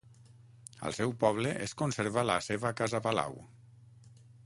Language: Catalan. Al seu poble es conserva la seva casa-palau.